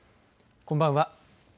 こんばんは。